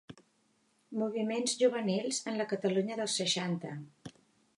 Moviments juvenils en la Catalunya dels seixanta.